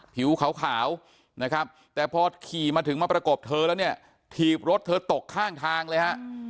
ผิวขาวนะครับแต่พอขี่มาถึงมาประกบเธอแล้วเนี่ยถีบรถเธอตกข้างทางเลยฮะ